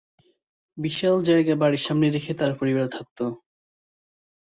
বিশাল জায়গা বাড়ীর সামনে রেখে তার পরিবার থাকতো।